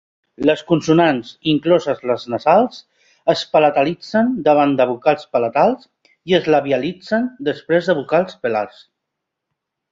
Les consonants, incloses les nasals, es palatalitzen davant de vocals palatals i es labialitzen després de vocals velars.